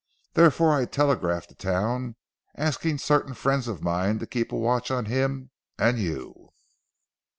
Therefore I telegraphed to town asking certain friends of mine to keep a watch on him and you."